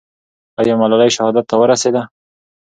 آیا ملالۍ شهادت ته ورسېده؟